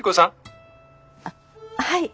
あっはい。